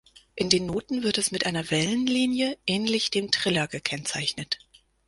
In den Noten wird es mit einer Wellenlinie ähnlich dem Triller gekennzeichnet.